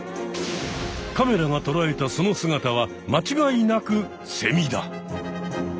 カメラがとらえたその姿は間違いなくセミだ！